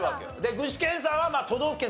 具志堅さん